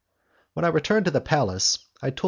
When I returned to the palace, I told M.